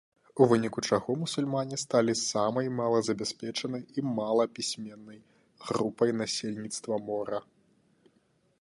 У выніку чаго мусульмане сталі самай малазабяспечанай і малапісьменнай групай насельніцтва мора.